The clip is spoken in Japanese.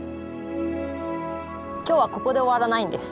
今日はここで終わらないんです。